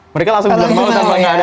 mereka langsung bilang mau sampai nggak ada